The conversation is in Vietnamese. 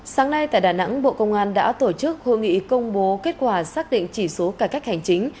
sáng nay tại đà nẵng bộ công an đã tổ chức hội nghị công bố kết quả xác định chỉ số cải cách hành chính